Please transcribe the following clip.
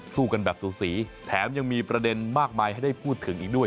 สู้กันแบบสูสีแถมยังมีประเด็นมากมายให้ได้พูดถึงอีกด้วย